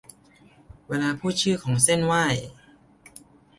เวลาพูดชื่อของเซ่นไหว้